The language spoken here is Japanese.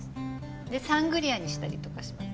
サングリアにしたりとかします。